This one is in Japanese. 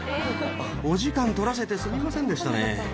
お時間取らせてすみませんでしたね。